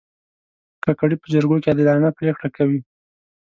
کاکړي په جرګو کې عادلانه پرېکړې کوي.